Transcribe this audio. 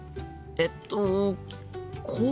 えっとこう？